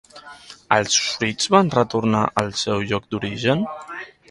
Els fruits van retornar al seu lloc d'origen?